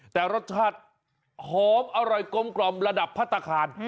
แต่รสชาติหอมอร่อยกลมระดับพัฒนาคาร